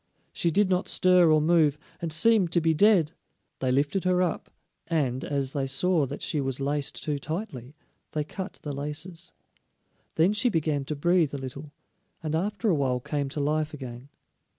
She did not stir or move, and seemed to be dead. They lifted her up, and, as they saw that she was laced too tightly, they cut the laces; then she began to breathe a little, and after a while came to life again.